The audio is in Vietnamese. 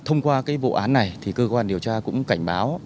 thông qua vụ án này cơ quan điều tra cũng cảnh báo